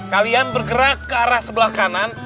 kalian bergerak ke arah sebelah kanan